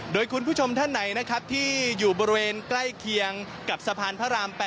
โดยคุณผู้ชมท่านไหนนะครับที่อยู่บริเวณใกล้เคียงกับสะพานพระราม๘